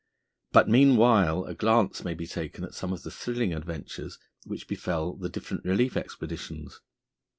But meanwhile a glance may be taken at some of the thrilling adventures which befell the different relief expeditions.